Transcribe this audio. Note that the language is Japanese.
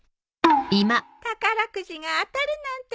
宝くじが当たるなんてねえ。